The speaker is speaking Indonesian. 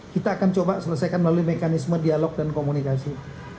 kita akan coba selesaikan melalui mekanisme dialog dan komunikasi